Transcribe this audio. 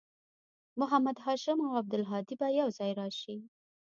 محمد هاشم او عبدالهادي به یوځای راشي